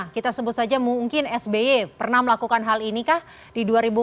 kita sebut saja mungkin sby pernah melakukan hal ini kah di dua ribu empat belas